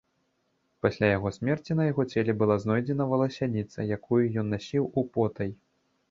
Пасля яго смерці на яго целе была знойдзена валасяніца, якую ён насіў употай.